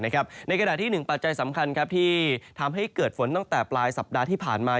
กระดาษที่หนึ่งปัจจัยสำคัญที่ทำให้เกิดฝนตั้งแต่ปลายสัปดาห์ที่ผ่านมา